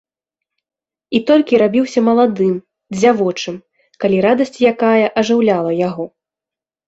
І толькі рабіўся маладым, дзявочым, калі радасць якая ажыўляла яго.